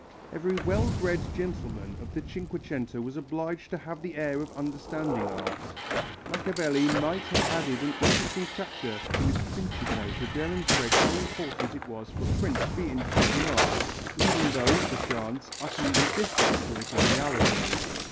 Every well bred gentleman of the Cinquecento was obliged to have the air of understanding art. Machiavelli might have added an interesting chapter to his Principe to demonstrate how important it was for a prince to be interested in art, even though, perchance, utterly indifferent to it in reality.